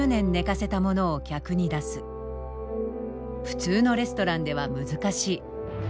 普通のレストランでは難しい。